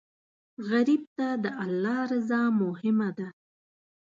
غریب ته د الله رضا مهمه ده